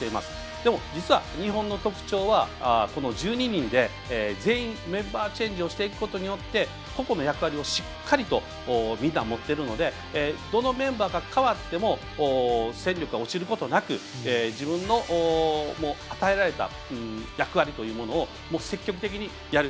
でも、実は日本の特徴は１２人で全員、メンバーチェンジをしていくことで個々の役割をしっかりとみんな持ってるのでどのメンバーが代わっても戦力が落ちることなく自分の与えられた役割というのを積極的にやる。